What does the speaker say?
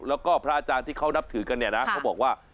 แล้วก็พระอาจารย์ที่เขานับถือกันเนี่ยนะเขาบอกว่า